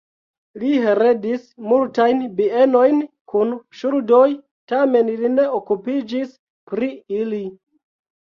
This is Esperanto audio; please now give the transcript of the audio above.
Li heredis multajn bienojn kun ŝuldoj, tamen li ne okupiĝis pri ili.